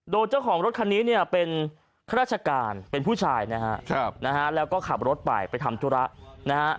โดยเจ้าของรถคันนี้เนี่ยเป็นข้าราชการเป็นผู้ชายนะฮะแล้วก็ขับรถไปไปทำธุระนะฮะ